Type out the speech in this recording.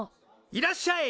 いらっしゃい。